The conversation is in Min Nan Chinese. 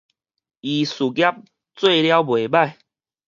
伊事業做了袂䆀